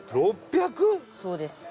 そうです。